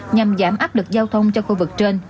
nhằm giảm áp lực giao thông cho khu vực trên